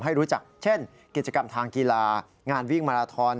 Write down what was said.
ให้รู้จักเช่นกิจกรรมทางกีฬางานวิ่งมาราทอน